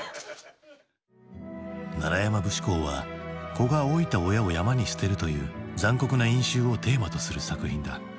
「山節考」は子が老いた親を山に捨てるという残酷な因習をテーマとする作品だ。